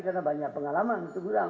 karena banyak pengalaman